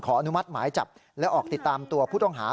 อนุมัติหมายจับและออกติดตามตัวผู้ต้องหา